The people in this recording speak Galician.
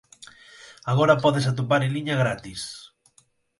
Agora pódese atopar en liña gratis.